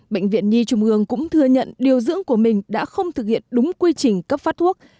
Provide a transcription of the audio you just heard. bệnh viện nhi trung ương cũng thừa nhận điều dưỡng của mình đã không thực hiện đúng quy trình cấp phát thuốc